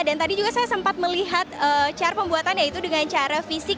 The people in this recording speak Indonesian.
dan tadi juga saya sempat melihat cara pembuatan yaitu dengan cara v enam puluh